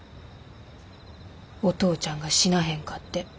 お父ちゃんが死なへんかって。